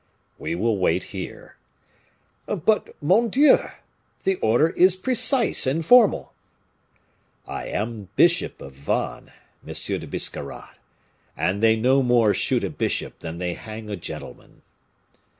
"We will wait here." "But, mon Dieu! the order is precise and formal." "I am bishop of Vannes, Monsieur de Biscarrat; and they no more shoot a bishop than they hang a gentleman."